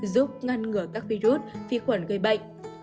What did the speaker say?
giúp ngăn ngừa các virus phi khuẩn gây bệnh